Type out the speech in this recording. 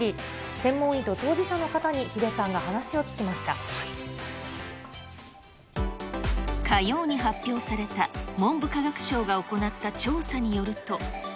専門医と当事者の方に、火曜に発表された、文部科学省が行った調査によると。